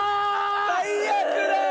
最悪だよ！